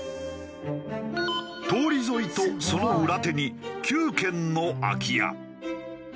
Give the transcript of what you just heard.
通り沿いとその裏手に９軒の空き家。